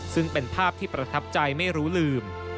ซึ่งเป็นภาพที่ประทับใจไม่รู้ลืม